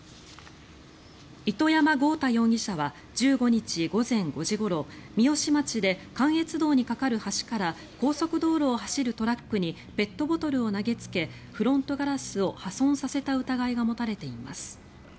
糸山豪太容疑者は１５日午前５時ごろ三芳町で関越道に架かる橋から高速道路を走るトラックにペットボトルを投げつけフロントガラスを破損させた疑いが持たれています。